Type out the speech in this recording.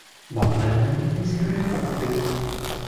บอกเลยว่านี่ไม่ใช่เรื่องปกติ